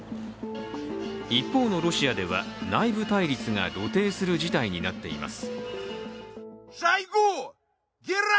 一方のロシアでは内部対立が露呈する事態になっています。